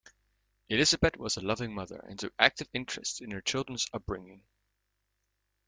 Elisabeth was a loving mother and took active interest in her children's upbringing.